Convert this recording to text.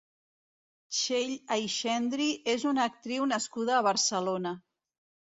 Txell Aixendri és una actriu nascuda a Barcelona.